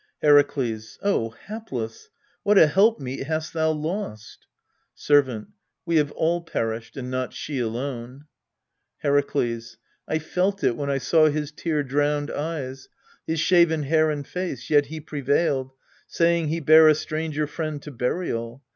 Herakles. O hapless ! what a helpmeet hast thou lost ! Servant. We have all perished, and not she alone. Herakles. I felt it, when I saw his tear drowned eyes, His shaven hair, and face : yet he prevailed, Saying he bare a stranger friend to burial.